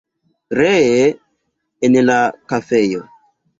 Ree en la kafejo.